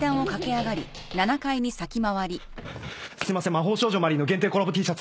・『魔法少女マリー』の限定コラボＴシャツ